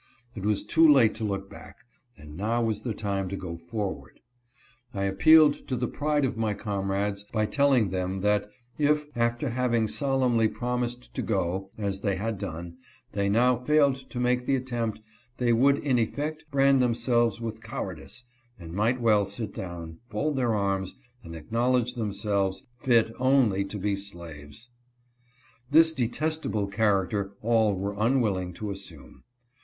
It was too late to look back, and now was the time to go forward. I appealed to the pride of my comrades by tell ing them that if, after having solemnly promised to go, as they had done, they now failed to make the attempt, they would in effect brand themselves with cowardice, and might well sit down, fold their arms, and acknowledge themselves fit only to be slaves. This detestable charac ter all were unwilling to assume.